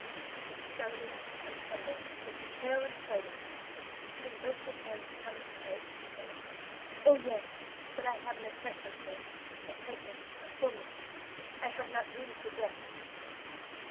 She started and trembled, looked pale and affrighted, and putting both her hands upon her heart, said, "Oh yes! but I have an oppression here, a tightness, a fulness, I have not room for breath!"